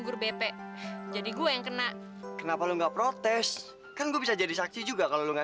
guru bp jadi gue yang kena kenapa lu nggak protes kan bisa jadi saksi juga kalau nggak